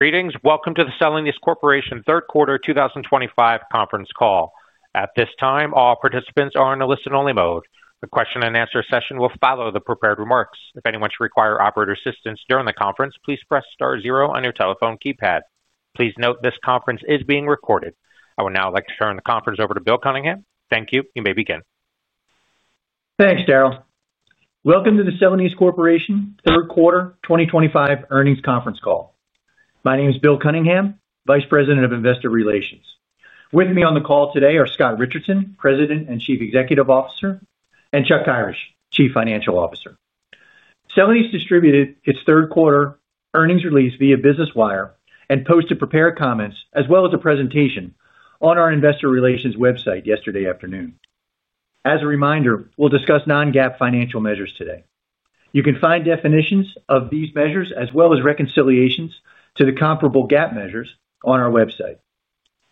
Greetings. Welcome to the Celanese Corporation third quarter 2025 conference call. At this time, all participants are in a listen-only mode. The question-and-answer session will follow the prepared remarks. If anyone should require operator assistance during the conference, please press star zero on your telephone keypad. Please note this conference is being recorded. I would now like to turn the conference over to Bill Cunningham. Thank you. You may begin. Thanks, Daryl. Welcome to the Celanese Corporation third quarter 2025 earnings conference call. My name is Bill Cunningham, Vice President of Investor Relations. With me on the call today are Scott Richardson, President and Chief Executive Officer, and Chuck Kyrish, Chief Financial Officer. Celanese distributed its third quarter earnings release via Business Wire and posted prepared comments as well as a presentation on our Investor Relations website yesterday afternoon. As a reminder, we'll discuss non-GAAP financial measures today. You can find definitions of these measures as well as reconciliations to the comparable GAAP measures on our website.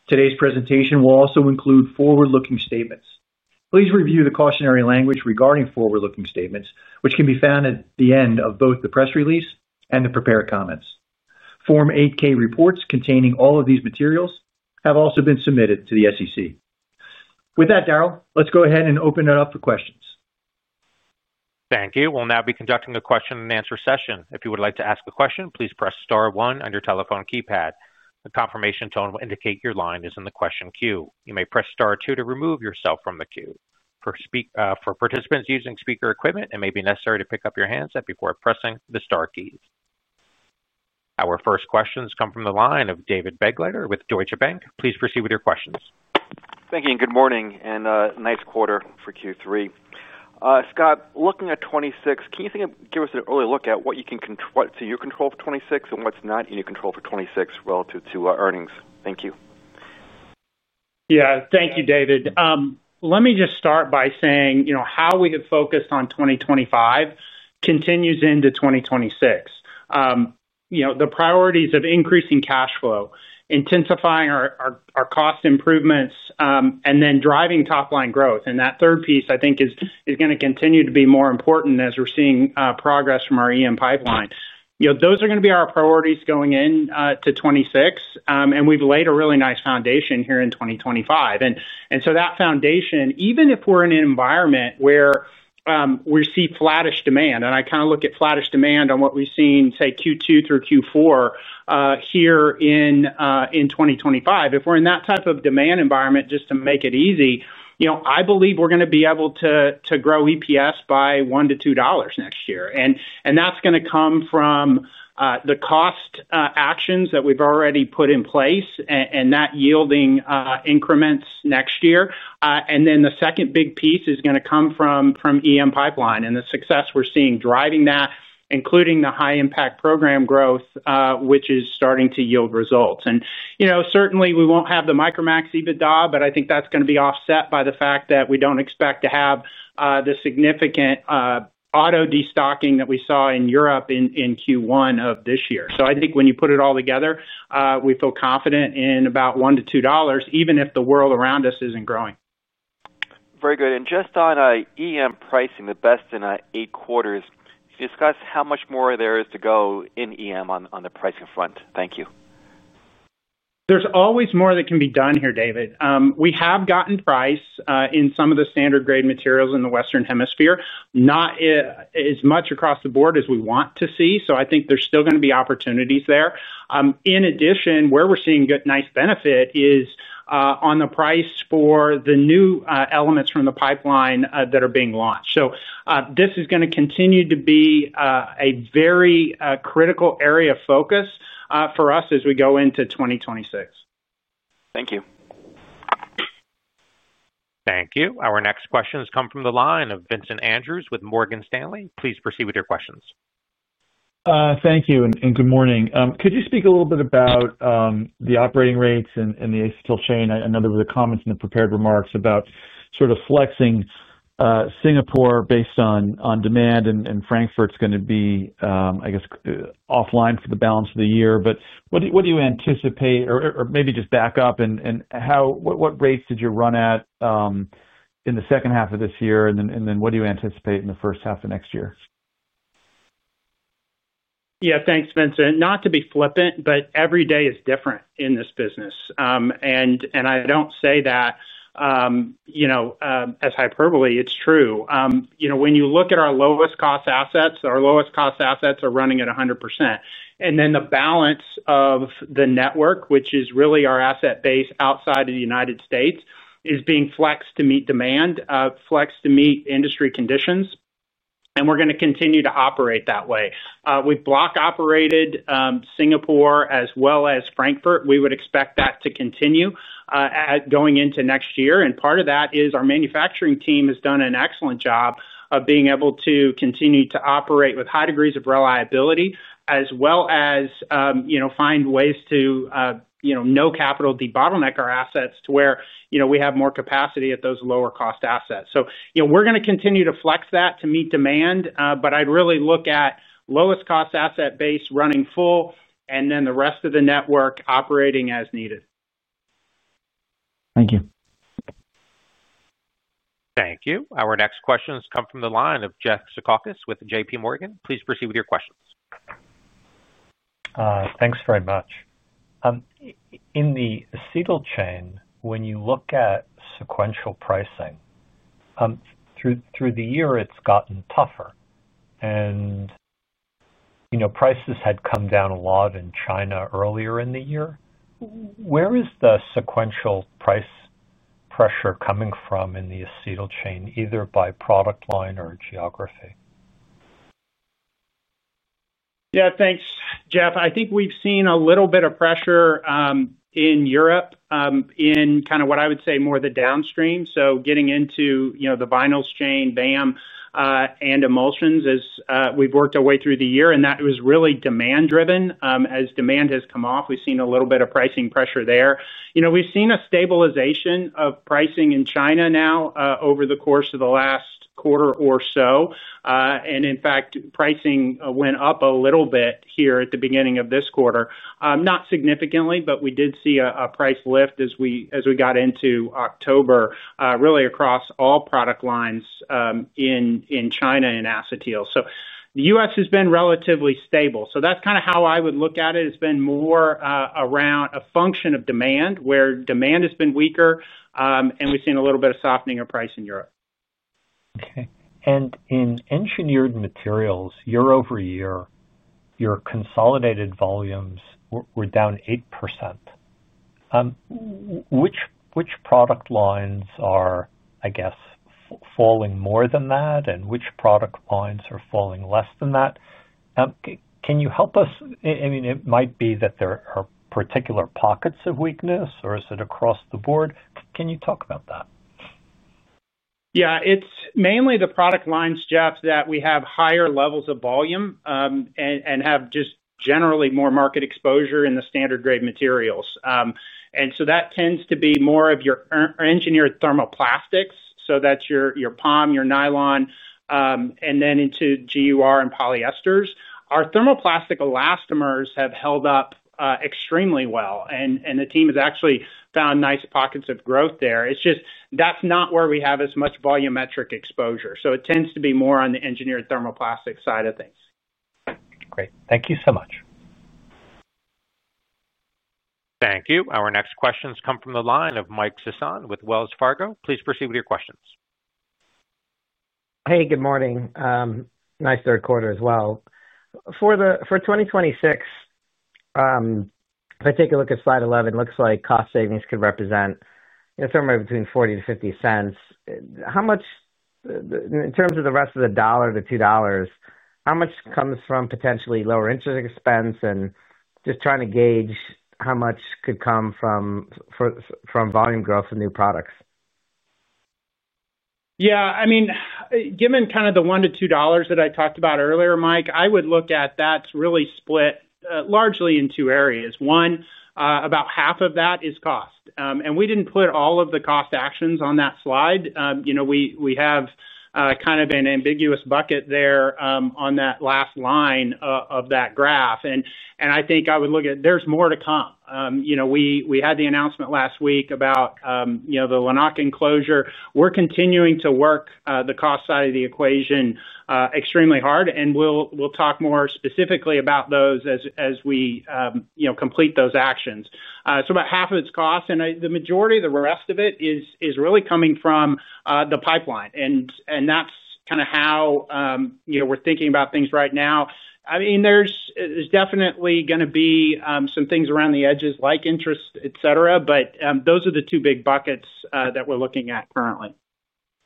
Today's presentation will also include forward-looking statements. Please review the cautionary language regarding forward-looking statements, which can be found at the end of both the press release and the prepared comments. Form 8-K reports containing all of these materials have also been submitted to the SEC. With that, Daryl, let's go ahead and open it up for questions. Thank you. We'll now be conducting a question-and-answer session. If you would like to ask a question, please press star one on your telephone keypad. The confirmation tone will indicate your line is in the question queue. You may press star two to remove yourself from the queue. For participants using speaker equipment, it may be necessary to pick up your handset before pressing the star keys. Our first questions come from the line of David Begleiter with Deutsche Bank. Please proceed with your questions. Thank you. Good morning and a nice quarter for Q3. Scott, looking at 2026, can you think of give us an early look at what you can control for 2026 and what's not in your control for 2026 relative to our earnings? Thank you. Yeah. Thank you, David. Let me just start by saying how we have focused on 2025 continues into 2026. The priorities of increasing cash flow, intensifying our cost improvements, and then driving top-line growth. That third piece, I think, is going to continue to be more important as we're seeing progress from our EM pipeline. Those are going to be our priorities going into 2026. We have laid a really nice foundation here in 2025. That foundation, even if we're in an environment where we see flattish demand, and I kind of look at flattish demand on what we've seen, say, Q2 through Q4 here in 2025, if we're in that type of demand environment, just to make it easy, I believe we're going to be able to grow EPS by $1-$2 next year. That is going to come from the cost actions that we have already put in place and that yielding increments next year. The second big piece is going to come from EM pipeline and the success we are seeing driving that, including the high-impact program growth, which is starting to yield results. Certainly, we will not have the Micromax EBITDA, but I think that is going to be offset by the fact that we do not expect to have the significant auto destocking that we saw in Europe in Q1 of this year. I think when you put it all together, we feel confident in about $1-$2, even if the world around us is not growing. Very good. Just on EM pricing, the best in eight quarters, discuss how much more there is to go in EM on the pricing front. Thank you. There's always more that can be done here, David. We have gotten price in some of the standard-grade materials in the Western Hemisphere, not as much across the board as we want to see. I think there's still going to be opportunities there. In addition, where we're seeing good nice benefit is on the price for the new elements from the pipeline that are being launched. This is going to continue to be a very critical area of focus for us as we go into 2026. Thank you. Thank you. Our next questions come from the line of Vincent Andrews with Morgan Stanley. Please proceed with your questions. Thank you and good morning. Could you speak a little bit about the operating rates and the acetyl chain? I know there were comments in the prepared remarks about sort of flexing Singapore based on demand, and Frankfurt's going to be, I guess, offline for the balance of the year. What do you anticipate, or maybe just back up, and what rates did you run at in the second half of this year? What do you anticipate in the first half of next year? Yeah. Thanks, Vincent. Not to be flippant, but every day is different in this business. I do not say that as hyperbole. It is true. When you look at our lowest-cost assets, our lowest-cost assets are running at 100%. The balance of the network, which is really our asset base outside of the United States, is being flexed to meet demand, flexed to meet industry conditions. We are going to continue to operate that way. We have block-operated Singapore as well as Frankfurt. We would expect that to continue going into next year. Part of that is our manufacturing team has done an excellent job of being able to continue to operate with high degrees of reliability as well as find ways to no capital debottleneck our assets to where we have more capacity at those lower-cost assets. We are going to continue to flex that to meet demand. I'd really look at lowest-cost asset base running full and then the rest of the network operating as needed. Thank you. Thank you. Our next questions come from the line of Jeff Zekauskas with JPMorgan. Please proceed with your questions. Thanks very much. In the acetyl chain, when you look at sequential pricing through the year, it's gotten tougher. Prices had come down a lot in China earlier in the year. Where is the sequential price pressure coming from in the acetyl chain, either by product line or geography? Yeah. Thanks, Jeff. I think we've seen a little bit of pressure in Europe in kind of what I would say more the downstream. Getting into the vinyls chain, VAM, and emulsions as we've worked our way through the year. That was really demand-driven. As demand has come off, we've seen a little bit of pricing pressure there. We've seen a stabilization of pricing in China now over the course of the last quarter or so. In fact, pricing went up a little bit here at the beginning of this quarter. Not significantly, but we did see a price lift as we got into October, really across all product lines in China and acetyl. The U.S. has been relatively stable. That is kind of how I would look at it. It's been more around a function of demand where demand has been weaker, and we've seen a little bit of softening of price in Europe. Okay. In engineered materials, year-over-year, your consolidated volumes were down 8%. Which product lines are, I guess, falling more than that, and which product lines are falling less than that? Can you help us? I mean, it might be that there are particular pockets of weakness, or is it across the board? Can you talk about that? Yeah. It's mainly the product lines, Jeff, that we have higher levels of volume and have just generally more market exposure in the standard-grade materials. That tends to be more of your engineered thermoplastics. That's your POM, your nylon, and then into GUR and polyesters. Our thermoplastic elastomers have held up extremely well. The team has actually found nice pockets of growth there. It's just that's not where we have as much volumetric exposure. It tends to be more on the engineered thermoplastic side of things. Great. Thank you so much. Thank you. Our next questions come from the line of Mike Sison with Wells Fargo. Please proceed with your questions. Hey, good morning. Nice third quarter as well. For 2026, if I take a look at slide 11, it looks like cost savings could represent somewhere between $0.40-$0.50. In terms of the rest of the $1-$2, how much comes from potentially lower interest expense? I am just trying to gauge how much could come from volume growth and new products. Yeah. I mean, given kind of the $-$2 that I talked about earlier, Mike, I would look at that's really split largely in two areas. One, about half of that is cost. And we did not put all of the cost actions on that slide. We have kind of an ambiguous bucket there on that last line of that graph. I think I would look at there's more to come. We had the announcement last week about the Lanaken enclosure. We are continuing to work the cost side of the equation extremely hard. We will talk more specifically about those as we complete those actions. About half of it is cost. The majority, the rest of it is really coming from the pipeline. That is kind of how we are thinking about things right now. I mean, there's definitely going to be some things around the edges like interest, etc. But those are the two big buckets that we're looking at currently.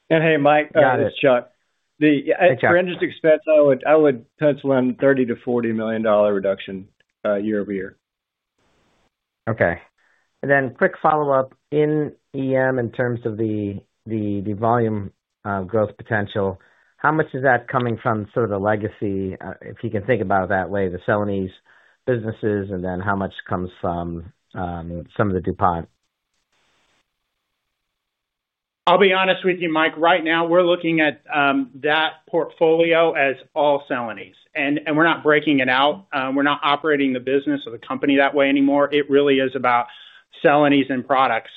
Hey, Mike. Got it. It's Chuck. The rendered expense, I would pencil in $30 million-$40 million reduction year-over-year. Okay. Quick follow-up in EM in terms of the volume growth potential. How much is that coming from sort of the legacy, if you can think about it that way, the Celanese businesses, and how much comes from some of the DuPont? I'll be honest with you, Mike. Right now, we're looking at that portfolio as all Celanese. We're not breaking it out. We're not operating the business of the company that way anymore. It really is about Celanese and products.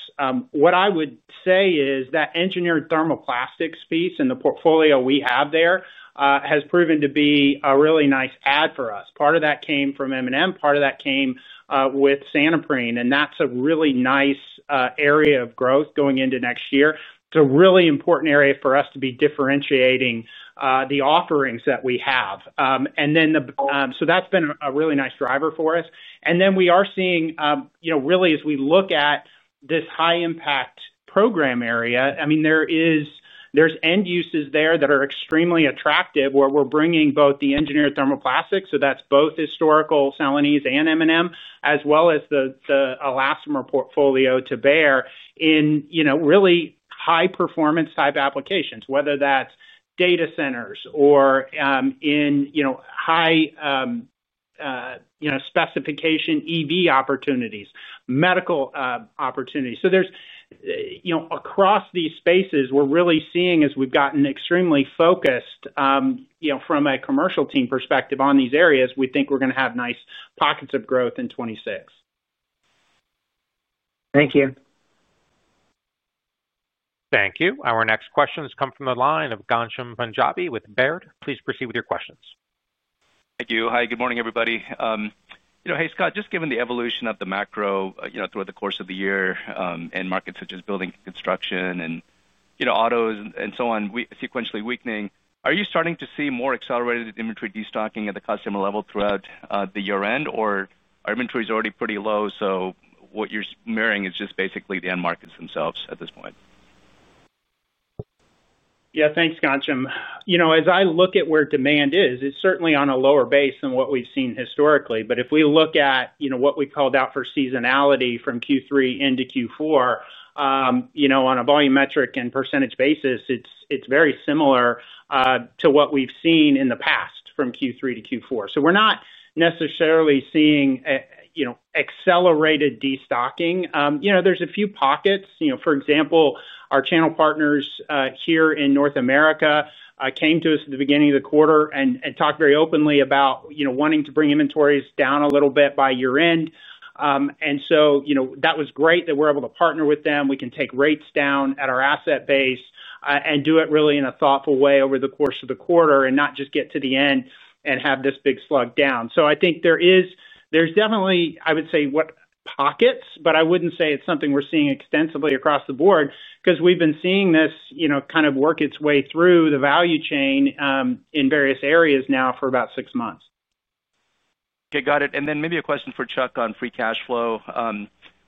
What I would say is that engineered thermoplastics piece and the portfolio we have there has proven to be a really nice add for us. Part of that came from M&M. Part of that came with Santoprene. That's a really nice area of growth going into next year. It's a really important area for us to be differentiating the offerings that we have. That's been a really nice driver for us. We are seeing really, as we look at this high-impact program area, I mean, there are end uses there that are extremely attractive where we are bringing both the engineered thermoplastics, so that is both historical Celanese and M&M, as well as the elastomer portfolio to bear in really high-performance type applications, whether that is data centers or in high-specification EV opportunities, medical opportunities. Across these spaces, we are really seeing as we have gotten extremely focused from a commercial team perspective on these areas, we think we are going to have nice pockets of growth in 2026. Thank you. Thank you. Our next questions come from the line of Ghansham Panjabi with Baird. Please proceed with your questions. Thank you. Hi, good morning, everybody. Hey, Scott, just given the evolution of the macro throughout the course of the year and markets such as building construction and autos and so on, sequentially weakening, are you starting to see more accelerated inventory destocking at the customer level throughout the year-end, or are inventories already pretty low? What you are mirroring is just basically the end markets themselves at this point. Yeah. Thanks, Ghansham. As I look at where demand is, it's certainly on a lower base than what we've seen historically. If we look at what we called out for seasonality from Q3 into Q4, on a volume metric and percentage basis, it's very similar to what we've seen in the past from Q3 to Q4. We're not necessarily seeing accelerated destocking. There's a few pockets. For example, our channel partners here in North America came to us at the beginning of the quarter and talked very openly about wanting to bring inventories down a little bit by year-end. That was great that we're able to partner with them. We can take rates down at our asset base and do it really in a thoughtful way over the course of the quarter and not just get to the end and have this big slug down. I think there's definitely, I would say, pockets, but I wouldn't say it's something we're seeing extensively across the board because we've been seeing this kind of work its way through the value chain in various areas now for about six months. Okay. Got it. Maybe a question for Chuck on free cash flow.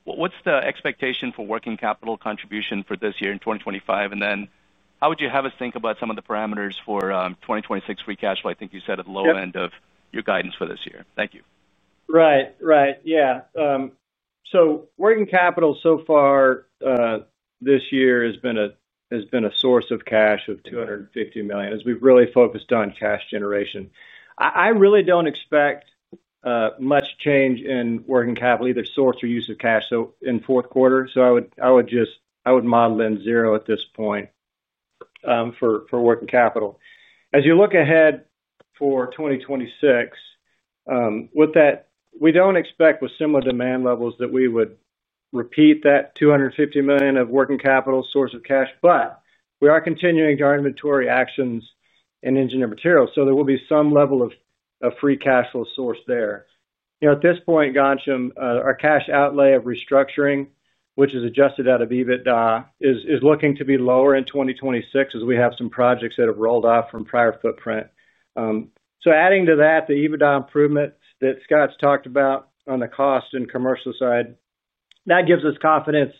What's the expectation for working capital contribution for this year in 2025? How would you have us think about some of the parameters for 2026 free cash flow? I think you said at the low end of your guidance for this year. Thank you. Right. Right. Yeah. So working capital so far this year has been a source of cash of $250 million as we've really focused on cash generation. I really don't expect much change in working capital, either source or use of cash in fourth quarter. I would model in zero at this point for working capital. As you look ahead for 2026, we don't expect with similar demand levels that we would repeat that $250 million of working capital source of cash. We are continuing our inventory actions in engineered materials. There will be some level of free cash flow source there. At this point, Ghansham, our cash outlay of restructuring, which is adjusted out of EBITDA, is looking to be lower in 2026 as we have some projects that have rolled off from prior footprint. Adding to that, the EBITDA improvement that Scott's talked about on the cost and commercial side, that gives us confidence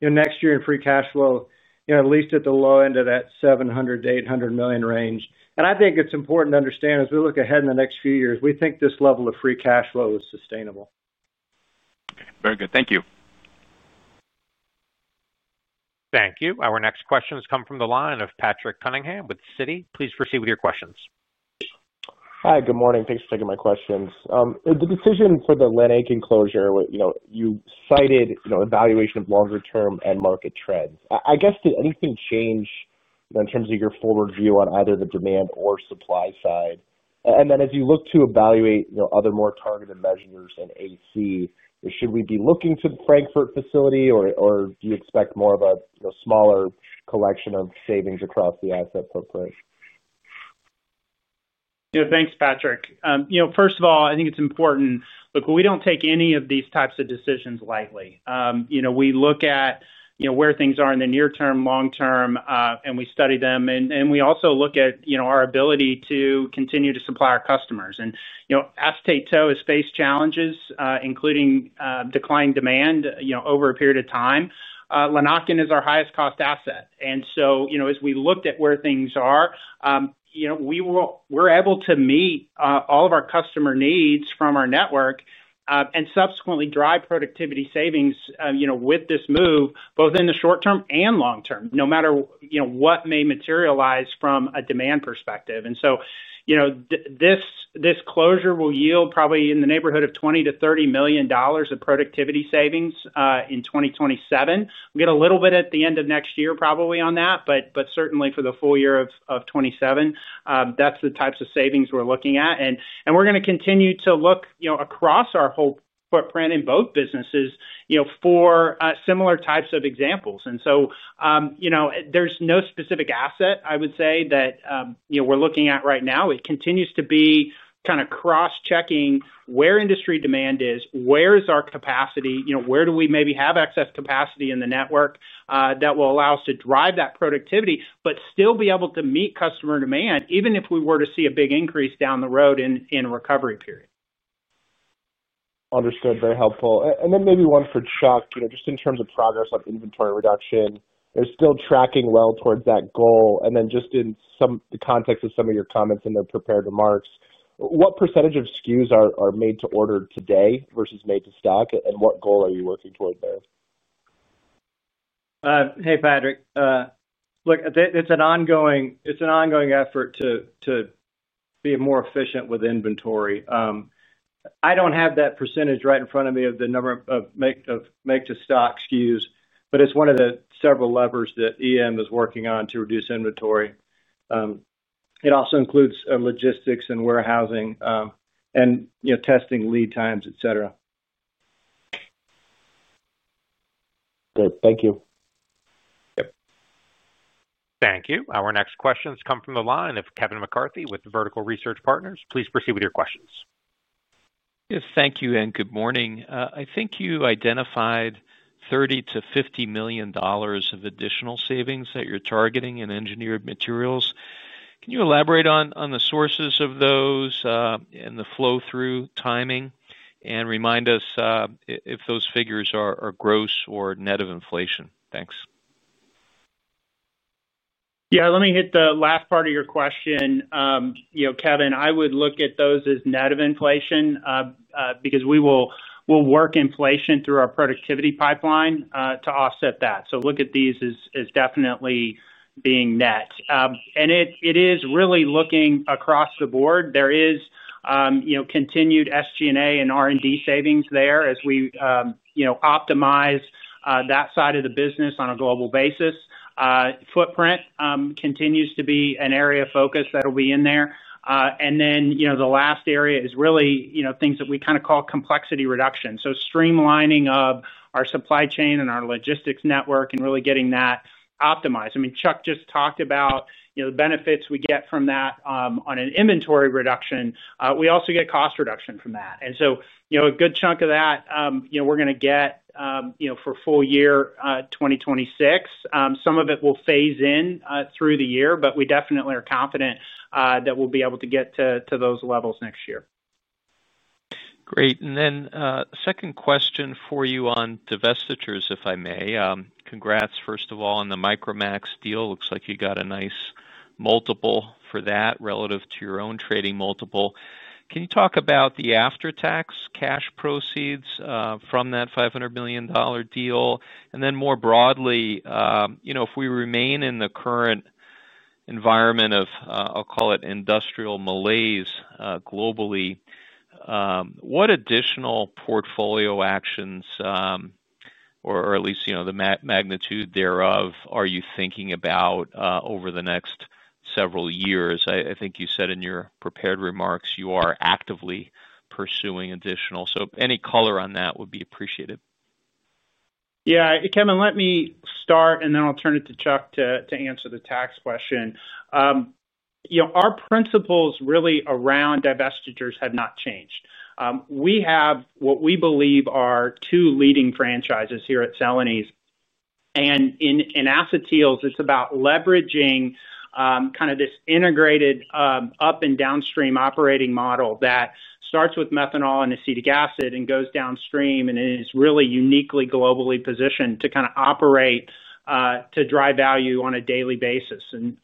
next year in free cash flow, at least at the low end of that $700 million-$800 million range. I think it's important to understand as we look ahead in the next few years, we think this level of free cash flow is sustainable. Okay. Very good. Thank you. Thank you. Our next questions come from the line of Patrick Cunningham with Citi. Please proceed with your questions. Hi, good morning. Thanks for taking my questions. The decision for the Lanaken enclosure, you cited evaluation of longer-term end market trends. I guess, did anything change in terms of your forward view on either the demand or supply side? As you look to evaluate other more targeted measures in AC, should we be looking to the Frankfurt facility, or do you expect more of a smaller collection of savings across the asset footprint? Yeah. Thanks, Patrick. First of all, I think it's important. Look, we do not take any of these types of decisions lightly. We look at where things are in the near-term, long-term, and we study them. We also look at our ability to continue to supply our customers. Acetate tow has faced challenges, including declining demand over a period of time. Lanaken is our highest-cost asset. As we looked at where things are, we were able to meet all of our customer needs from our network and subsequently drive productivity savings with this move, both in the short-term and long-term, no matter what may materialize from a demand perspective. This closure will yield probably in the neighborhood of $20 million-$30 million of productivity savings in 2027. We'll get a little bit at the end of next year probably on that, but certainly for the full year of 2027. That's the types of savings we're looking at. We're going to continue to look across our whole footprint in both businesses for similar types of examples. There's no specific asset, I would say, that we're looking at right now. It continues to be kind of cross-checking where industry demand is, where is our capacity, where do we maybe have excess capacity in the network that will allow us to drive that productivity, but still be able to meet customer demand even if we were to see a big increase down the road in recovery period. Understood. Very helpful. Maybe one for Chuck, just in terms of progress on inventory reduction. You're still tracking well towards that goal. In the context of some of your comments in the prepared remarks, what percentage of SKUs are made-to-order today versus made-to-stock, and what goal are you working toward there? Hey, Patrick. Look, it's an ongoing effort to be more efficient with inventory. I don't have that percentage right in front of me of the number of made-to-stock SKUs, but it's one of the several levers that EM is working on to reduce inventory. It also includes logistics and warehousing and testing lead times, etc. Good. Thank you. Yep. Thank you. Our next questions come from the line of Kevin McCarthy with Vertical Research Partners. Please proceed with your questions. Yes. Thank you and good morning. I think you identified $30 million-$50 million of additional savings that you're targeting in engineered materials. Can you elaborate on the sources of those and the flow-through timing and remind us if those figures are gross or net of inflation? Thanks. Yeah. Let me hit the last part of your question. Kevin, I would look at those as net of inflation because we will work inflation through our productivity pipeline to offset that. Look at these as definitely being net. It is really looking across the board. There is continued SG&A and R&D savings there as we optimize that side of the business on a global basis. Footprint continues to be an area of focus that'll be in there. The last area is really things that we kind of call complexity reduction. Streamlining of our supply chain and our logistics network and really getting that optimized. I mean, Chuck just talked about the benefits we get from that on an inventory reduction. We also get cost reduction from that. A good chunk of that we're going to get for full year 2026. Some of it will phase in through the year, but we definitely are confident that we'll be able to get to those levels next year. Great. Then second question for you on divestitures, if I may. Congrats, first of all, on the Micromax deal. Looks like you got a nice multiple for that relative to your own trading multiple. Can you talk about the after-tax cash proceeds from that $500 million deal? Then more broadly, if we remain in the current environment of, I'll call it, industrial malaise globally, what additional portfolio actions or at least the magnitude thereof are you thinking about over the next several years? I think you said in your prepared remarks you are actively pursuing additional. Any color on that would be appreciated. Yeah. Kevin, let me start, and then I'll turn it to Chuck to answer the tax question. Our principles really around divestitures have not changed. We have what we believe are two leading franchises here at Celanese. In acetates, it's about leveraging kind of this integrated up-and-downstream operating model that starts with methanol and acetic acid and goes downstream and is really uniquely globally positioned to kind of operate to drive value on a daily basis. In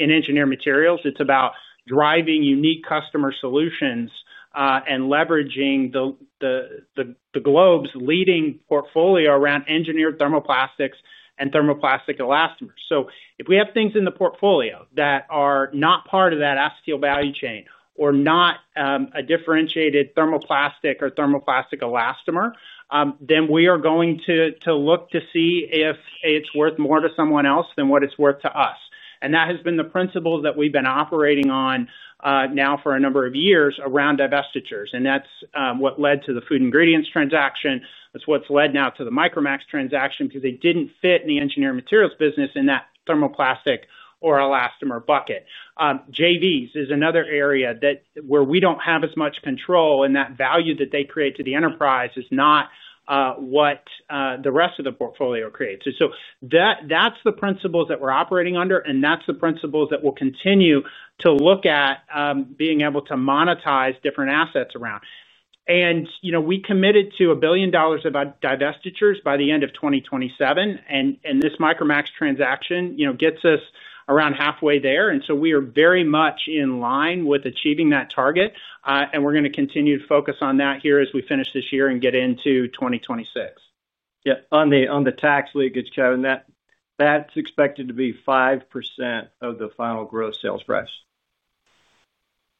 engineered materials, it's about driving unique customer solutions and leveraging the globe's leading portfolio around engineered thermoplastics and thermoplastic elastomers. If we have things in the portfolio that are not part of that acetate value chain or not a differentiated thermoplastic or thermoplastic elastomer, then we are going to look to see if it's worth more to someone else than what it's worth to us. That has been the principle that we've been operating on now for a number of years around divestitures. That is what led to the food ingredients transaction. That is what has led now to the Micromax transaction because they did not fit in the engineered materials business in that thermoplastic or elastomer bucket. JVs is another area where we do not have as much control and that value that they create to the enterprise is not what the rest of the portfolio creates. Those are the principles that we are operating under, and those are the principles that we will continue to look at being able to monetize different assets around. We committed to $1 billion of divestitures by the end of 2027. This Micromax transaction gets us around halfway there. We are very much in line with achieving that target. We're going to continue to focus on that here as we finish this year and get into 2026. Yeah. On the tax leakage, Kevin, that's expected to be 5% of the final gross sales price.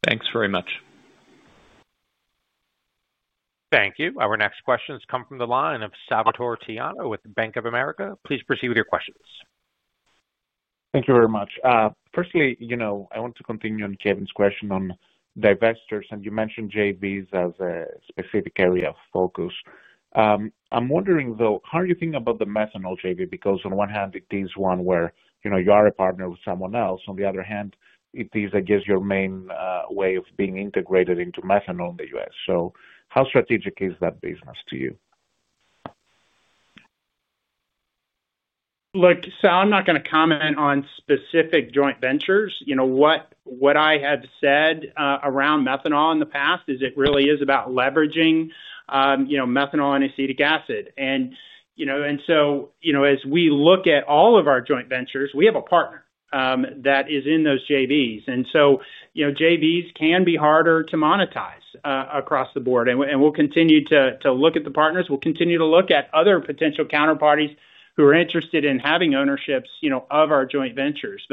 Thanks very much. Thank you. Our next questions come from the line of Salvator Tiano with Bank of America. Please proceed with your questions. Thank you very much. Firstly, I want to continue on Kevin's question on divestitures. You mentioned JVs as a specific area of focus. I'm wondering, though, how are you thinking about the methanol JV? Because on one hand, it is one where you are a partner with someone else. On the other hand, it is, I guess, your main way of being integrated into methanol in the U.S. How strategic is that business to you? Look, I'm not going to comment on specific joint ventures. What I have said around methanol in the past is it really is about leveraging methanol and acetic acid. As we look at all of our joint ventures, we have a partner that is in those JVs. JVs can be harder to monetize across the board. We will continue to look at the partners. We will continue to look at other potential counterparties who are interested in having ownerships of our joint ventures.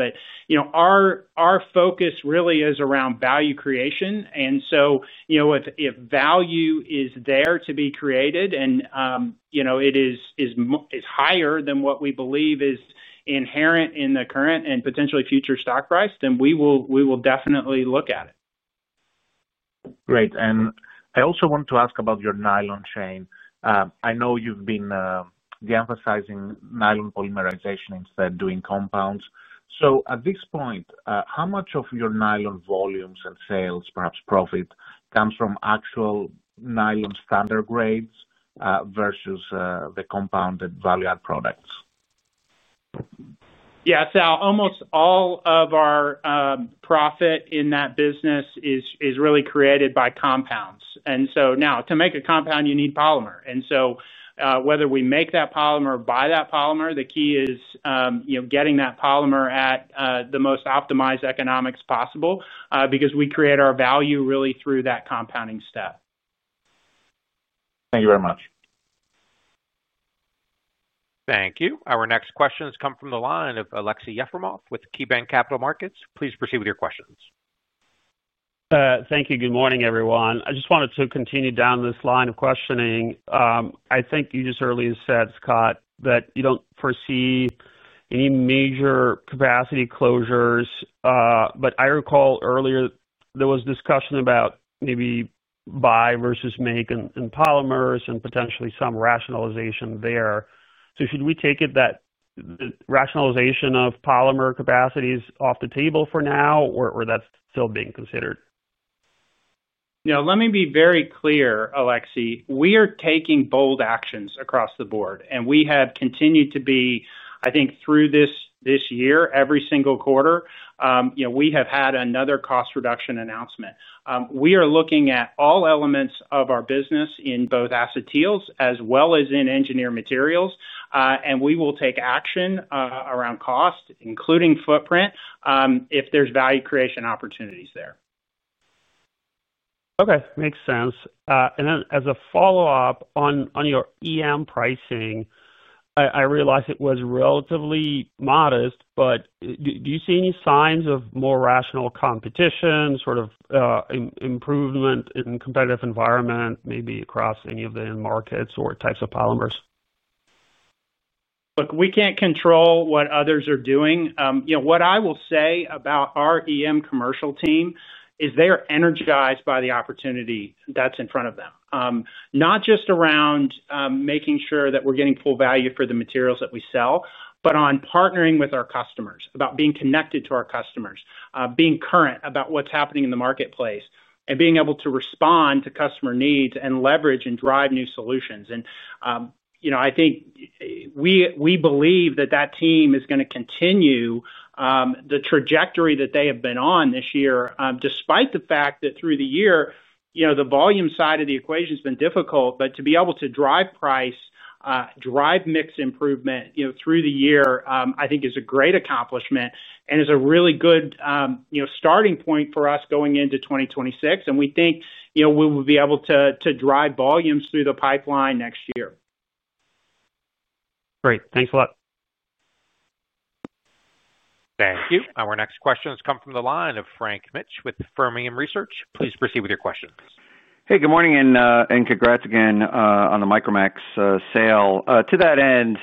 Our focus really is around value creation. If value is there to be created and it is higher than what we believe is inherent in the current and potentially future stock price, then we will definitely look at it. Great. I also want to ask about your nylon chain. I know you have been emphasizing nylon polymerization instead of doing compounds. At this point, how much of your nylon volumes and sales, perhaps profit, comes from actual nylon standard grades versus the compounded value-added products? Yeah. Almost all of our profit in that business is really created by compounds. Now, to make a compound, you need polymer. Whether we make that polymer or buy that polymer, the key is getting that polymer at the most optimized economics possible because we create our value really through that compounding step. Thank you very much. Thank you. Our next questions come from the line of Aleksey Yefremov with KeyBanc Capital Markets. Please proceed with your questions. Thank you. Good morning, everyone. I just wanted to continue down this line of questioning. I think you just earlier said, Scott, that you do not foresee any major capacity closures. I recall earlier there was discussion about maybe buy versus make in polymers and potentially some rationalization there. Should we take that rationalization of polymer capacities off the table for now, or is that still being considered? Yeah. Let me be very clear, Aleksey. We are taking bold actions across the board. We have continued to be, I think, through this year, every single quarter, we have had another cost reduction announcement. We are looking at all elements of our business in both acetates as well as in engineered materials. We will take action around cost, including footprint, if there is value creation opportunities there. Okay. Makes sense. As a follow-up on your EM pricing, I realized it was relatively modest, but do you see any signs of more rational competition, sort of improvement in competitive environment, maybe across any of the markets or types of polymers? Look, we can't control what others are doing. What I will say about our EM commercial team is they are energized by the opportunity that's in front of them. Not just around making sure that we're getting full value for the materials that we sell, but on partnering with our customers, about being connected to our customers, being current about what's happening in the marketplace, and being able to respond to customer needs and leverage and drive new solutions. I think we believe that that team is going to continue the trajectory that they have been on this year, despite the fact that through the year, the volume side of the equation has been difficult. To be able to drive price, drive mix improvement through the year, I think, is a great accomplishment and is a really good starting point for us going into 2026. We think we will be able to drive volumes through the pipeline next year. Great. Thanks a lot. Thank you. Our next questions come from the line of Frank Mitsch with Fermium Research. Please proceed with your questions. Hey, good morning and congrats again on the Micromax sale. To that end,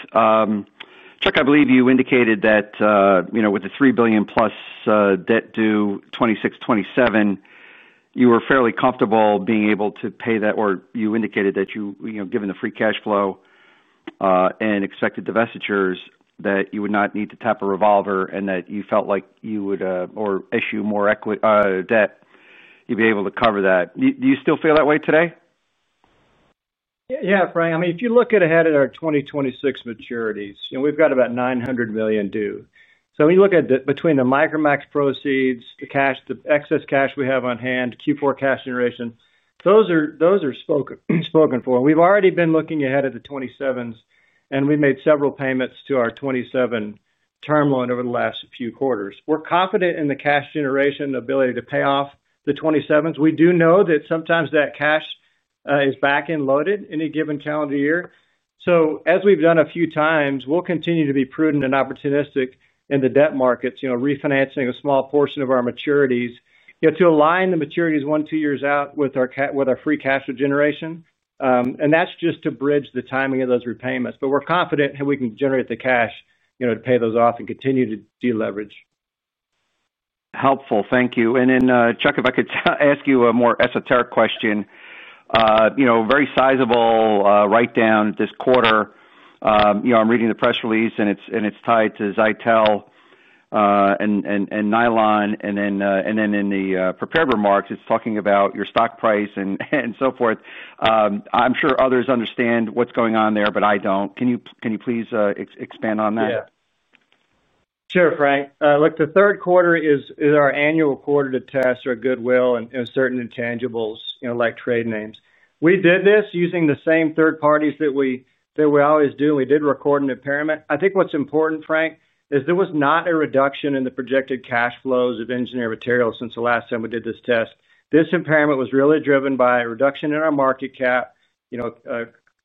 Chuck, I believe you indicated that with the $3+ billion debt due 2026/2027, you were fairly comfortable being able to pay that, or you indicated that you, given the free cash flow and expected divestitures, that you would not need to tap a revolver and that you felt like you would issue more debt, you'd be able to cover that. Do you still feel that way today? Yeah, Frank. I mean, if you look ahead at our 2026 maturities, we've got about $900 million due. If you look at between the Micromax proceeds, the excess cash we have on hand, Q4 cash generation, those are spoken for. We've already been looking ahead at the 2027s, and we've made several payments to our 2027 term loan over the last few quarters. We're confident in the cash generation ability to pay off the 2027s. We do know that sometimes that cash is back and loaded in any given calendar year. As we've done a few times, we'll continue to be prudent and opportunistic in the debt markets, refinancing a small portion of our maturities to align the maturities one or two years out with our free cash generation. That's just to bridge the timing of those repayments. We're confident that we can generate the cash to pay those off and continue to deleverage. Helpful. Thank you. Chuck, if I could ask you a more esoteric question, very sizable write-down this quarter. I'm reading the press release, and it's tied to Zytel and nylon. In the prepared remarks, it's talking about your stock price and so forth. I'm sure others understand what's going on there, but I don't. Can you please expand on that? Yeah. Sure, Frank. Look, the third quarter is our annual quarter to test our goodwill and certain intangibles like trade names. We did this using the same third-parties that we always do. We did record an impairment. I think what's important, Frank, is there was not a reduction in the projected cash flows of engineered materials since the last time we did this test. This impairment was really driven by a reduction in our market cap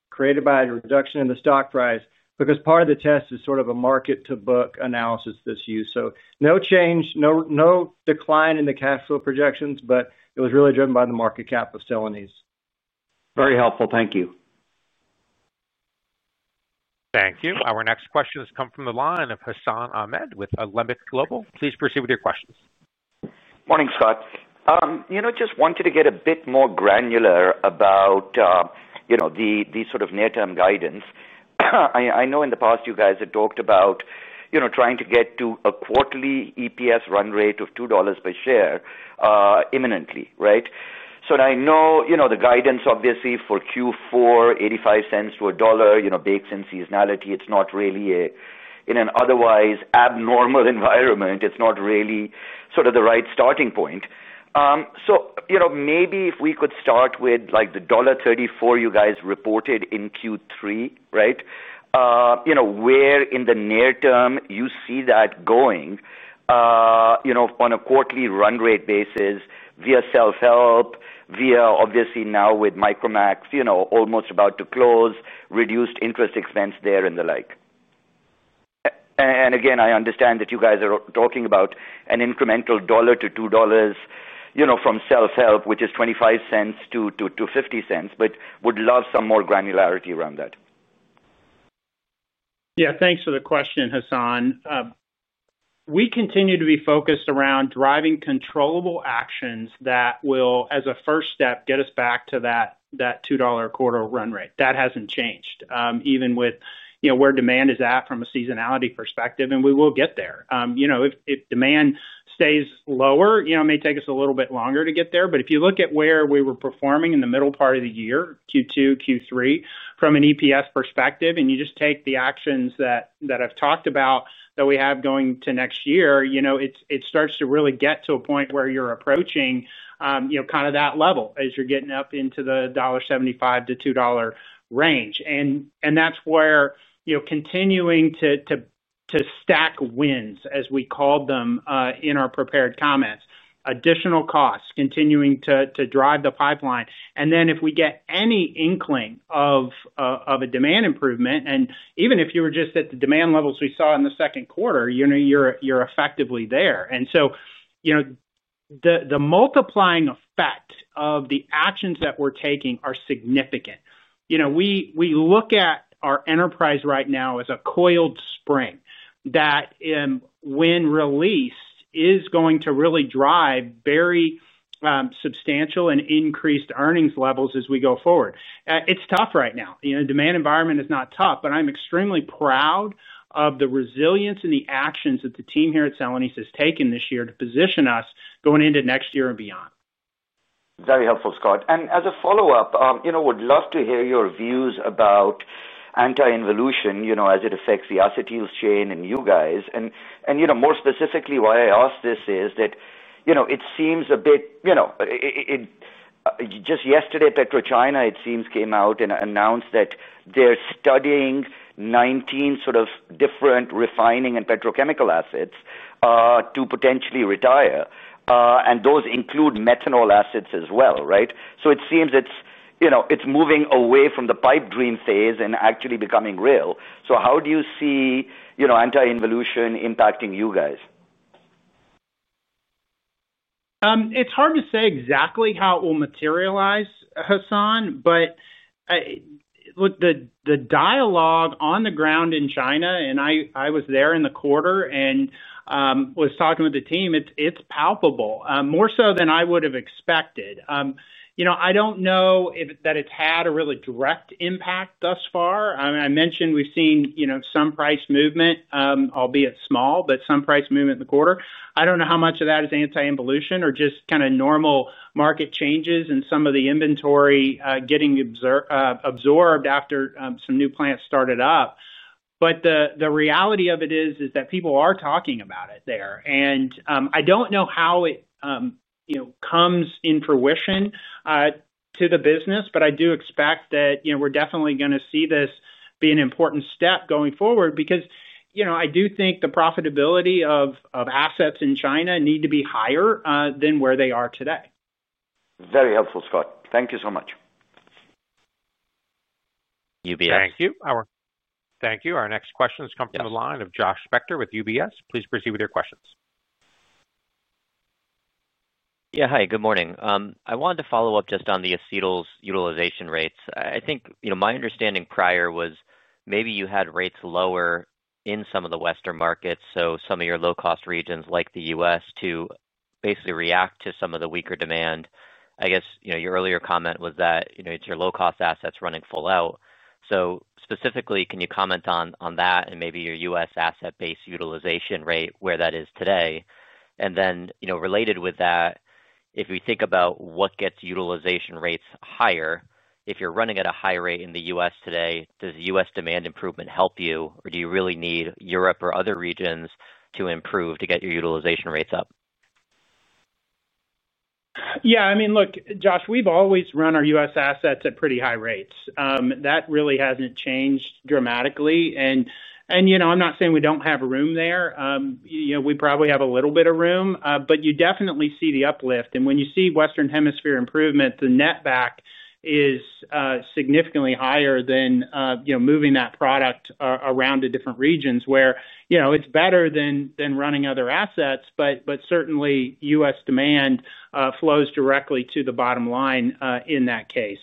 created by a reduction in the stock price because part of the test is sort of a market-to-book analysis that's used. No change, no decline in the cash flow projections, but it was really driven by the market cap of Celanese. Very helpful. Thank you. Thank you. Our next questions come from the line of Hassan Ahmed with Alembic Global. Please proceed with your questions. Morning, Scott. Just wanted to get a bit more granular about the sort of near-term guidance. I know in the past you guys had talked about trying to get to a quarterly EPS run rate of $2 per share imminently, right? I know the guidance, obviously, for Q4, $0.85-$1, baked in seasonality, it is not really in an otherwise abnormal environment. It is not really sort of the right starting point. Maybe if we could start with the $1.34 you guys reported in Q3, right? Where in the near-term you see that going on a quarterly run rate basis via self-help, via, obviously, now with Micromax almost about to close, reduced interest expense there and the like. I understand that you guys are talking about an incremental $1-$2 from self-help, which is $0.25-$0.50, but would love some more granularity around that. Yeah. Thanks for the question, Hassan. We continue to be focused around driving controllable actions that will, as a first step, get us back to that $2 quarter run rate. That has not changed, even with where demand is at from a seasonality perspective. We will get there. If demand stays lower, it may take us a little bit longer to get there. If you look at where we were performing in the middle part of the year, Q2, Q3, from an EPS perspective, and you just take the actions that I have talked about that we have going to next year, it starts to really get to a point where you are approaching kind of that level as you are getting up into the $1.75-$2 range. That is where continuing to stack wins, as we called them in our prepared comments, additional costs, continuing to drive the pipeline. If we get any inkling of a demand improvement, and even if you were just at the demand levels we saw in the second quarter, you're effectively there. The multiplying effect of the actions that we're taking are significant. We look at our enterprise right now as a coiled spring that, when released, is going to really drive very substantial and increased earnings levels as we go forward. It's tough right now. The demand environment is not tough, but I'm extremely proud of the resilience and the actions that the team here at Celanese has taken this year to position us going into next year and beyond. Very helpful, Scott. As a follow-up, I would love to hear your views about anti-involution as it affects the acetyls chain and you guys. More specifically, why I ask this is that it seems just yesterday, PetroChina, it seems, came out and announced that they're studying 19 sort of different refining and petrochemical assets to potentially retire. Those include methanol assets as well, right? It seems it's moving away from the pipe dream phase and actually becoming real. How do you see anti-involution impacting you guys? It's hard to say exactly how it will materialize, Hassan. Look, the dialogue on the ground in China, and I was there in the quarter and was talking with the team, it's palpable, more so than I would have expected. I don't know that it's had a really direct impact thus far. I mean, I mentioned we've seen some price movement, albeit small, but some price movement in the quarter. I don't know how much of that is anti-involution or just kind of normal market changes and some of the inventory getting absorbed after some new plants started up. The reality of it is that people are talking about it there. I do not know how it comes in fruition to the business, but I do expect that we are definitely going to see this be an important step going forward because I do think the profitability of assets in China need to be higher than where they are today. Very helpful, Scott. Thank you so much. Thank you. Our next question has come from the line of Josh Spector with UBS. Please proceed with your questions. Yeah. Hi. Good morning. I wanted to follow up just on the acetates utilization rates. I think my understanding prior was maybe you had rates lower in some of the Western markets, so some of your low-cost regions like the U.S., to basically react to some of the weaker demand. I guess your earlier comment was that it's your low-cost assets running full out. Specifically, can you comment on that and maybe your U.S. asset-based utilization rate, where that is today? Related with that, if we think about what gets utilization rates higher, if you're running at a high rate in the U.S. today, does U.S. demand improvement help you, or do you really need Europe or other regions to improve to get your utilization rates up? Yeah. I mean, look, Josh, we've always run our U.S. assets at pretty high rates. That really hasn't changed dramatically. I am not saying we do not have room there. We probably have a little bit of room, but you definitely see the uplift. When you see Western Hemisphere improvement, the net back is significantly higher than moving that product around to different regions where it is better than running other assets, but certainly U.S. demand flows directly to the bottom line in that case.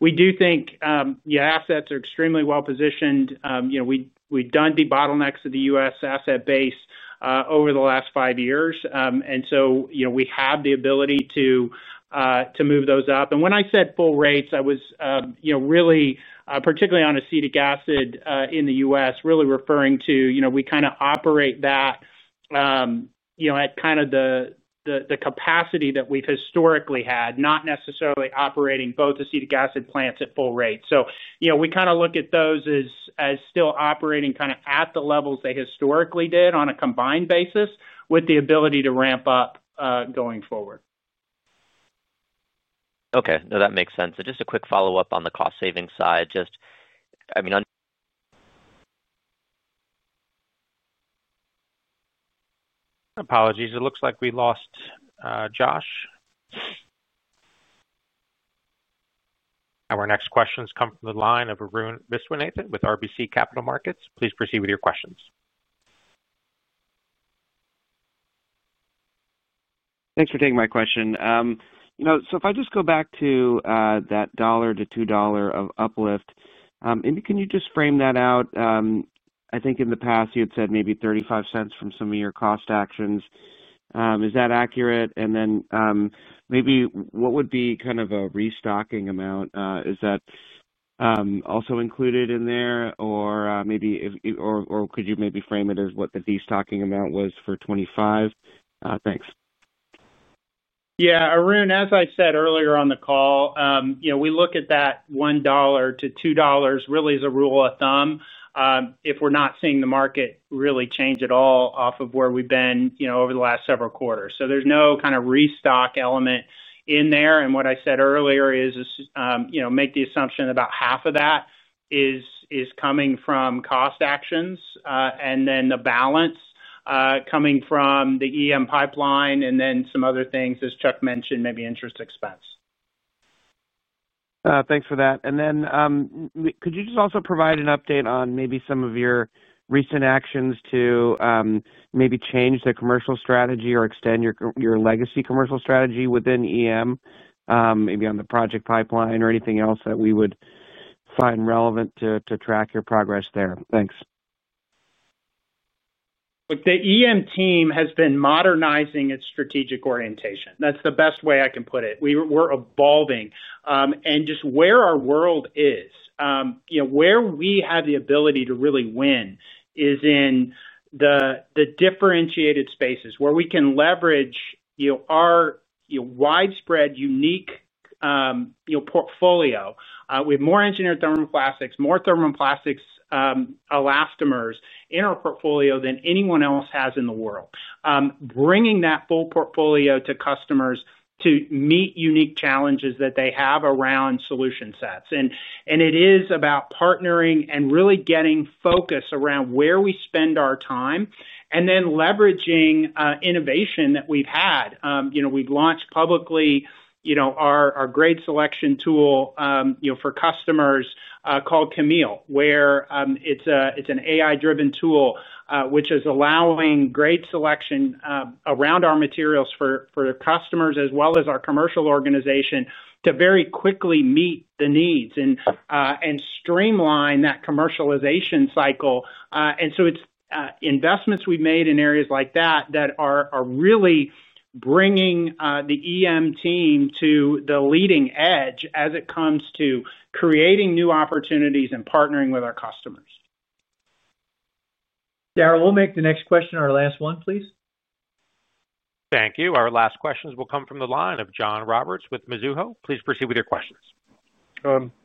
We do think your assets are extremely well-positioned. We have done the bottlenecks of the U.S. asset base over the last five years. We have the ability to move those up. When I said full rates, I was really particularly on acetic acid in the U.S., really referring to we kind of operate that at kind of the capacity that we've historically had, not necessarily operating both acetic acid plants at full rate. We kind of look at those as still operating kind of at the levels they historically did on a combined basis with the ability to ramp up going forward. Okay. No, that makes sense. I mean, just a quick follow-up on the cost-saving side. I mean. Apologies. It looks like we lost Josh. Our next questions come from the line of Arun Viswanathan with RBC Capital Markets. Please proceed with your questions. Thanks for taking my question. If I just go back to that $1-$2 of uplift, maybe can you just frame that out? I think in the past, you had said maybe $0.35 from some of your cost actions. Is that accurate? What would be kind of a restocking amount? Is that also included in there? Could you maybe frame it as what the destocking amount was for 2025? Thanks. Yeah. Arun, as I said earlier on the call, we look at that $1-$2 really as a rule of thumb if we're not seeing the market really change at all off of where we've been over the last several quarters. There's no kind of restock element in there. What I said earlier is make the assumption about half of that is coming from cost actions and then the balance coming from the EM pipeline and then some other things, as Chuck mentioned, maybe interest expense. Thanks for that. Could you just also provide an update on maybe some of your recent actions to maybe change the commercial strategy or extend your legacy commercial strategy within EM, maybe on the project pipeline or anything else that we would find relevant to track your progress there? Thanks. Look, the EM team has been modernizing its strategic orientation. That's the best way I can put it. We're evolving. Where our world is, where we have the ability to really win is in the differentiated spaces where we can leverage our widespread, unique portfolio. We have more engineered thermoplastics, more thermoplastics, elastomers in our portfolio than anyone else has in the world, bringing that full portfolio to customers to meet unique challenges that they have around solution sets. It is about partnering and really getting focus around where we spend our time and then leveraging innovation that we've had. We've launched publicly our grade selection tool for customers called Chemille, where it's an AI-driven tool which is allowing grade selection around our materials for customers as well as our commercial organization to very quickly meet the needs and streamline that commercialization cycle. It is investments we have made in areas like that that are really bringing the EM team to the leading edge as it comes to creating new opportunities and partnering with our customers. Daryl, we'll make the next question our last one, please. Thank you. Our last questions will come from the line of John Roberts with Mizuho. Please proceed with your questions.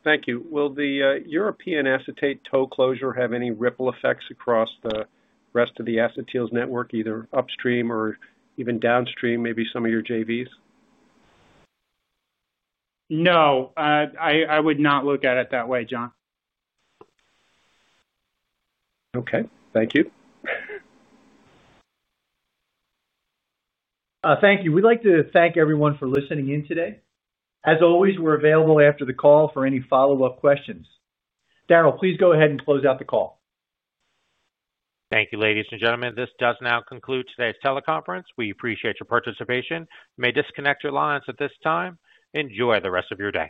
Thank you. Will the European acetate tow closure have any ripple effects across the rest of the acetates network, either upstream or even downstream, maybe some of your JVs? No. I would not look at it that way, John. Okay. Thank you. Thank you. We'd like to thank everyone for listening in today. As always, we're available after the call for any follow-up questions. Daryl, please go ahead and close out the call. Thank you, ladies and gentlemen. This does now conclude today's teleconference. We appreciate your participation. You may disconnect your lines at this time. Enjoy the rest of your day.